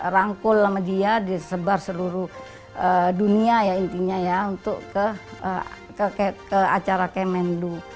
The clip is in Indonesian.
rangkul sama dia disebar seluruh dunia ya intinya ya untuk ke acara kemenlu